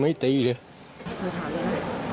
กลัวโดนตีอ้าวหลวงตีอ้าว